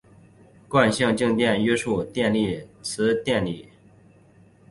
惯性静电约束利用电场来牵引带电粒子。